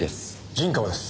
陣川です。